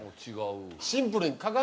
シンプルに鏡！